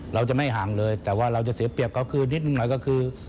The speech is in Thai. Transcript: เราจะไม่ห่างเลยแต่ว่าเราจะเสียเปรียบเขาคือนิดนึงหน่อยก็คือ